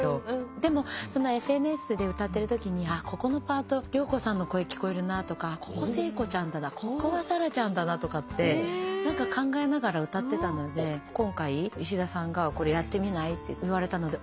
でも『ＦＮＳ』で歌ってるときにここのパート良子さんの声聞こえるなとかここ聖子ちゃんだなここはサラちゃんだなとかって考えながら歌ってたので今回石田さんが「これやってみない？」って言われたのであっ